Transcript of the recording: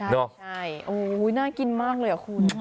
ใช่น่ากินมากเลยคุณ